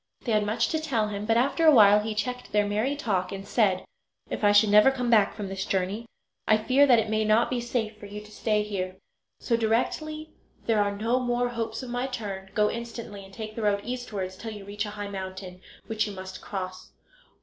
They had much to tell him, but after a while he checked their merry talk and said: "If I should never come back from this journey I fear that it may not be safe for you to stay here; so directly there are no more hopes of my return go instantly and take the road eastwards till you reach a high mountain, which you must cross.